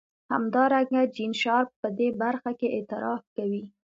همدارنګه جین شارپ په دې برخه کې اعتراف کوي.